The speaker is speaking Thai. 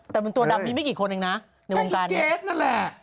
แต่มันตัวดำมีไม่กี่คนเองนะในวงการเคสนั่นแหละ